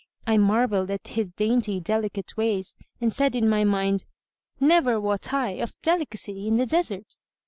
I marvelled at his dainty delicate ways and said in my mind, "Never wot I of delicacy in the desert."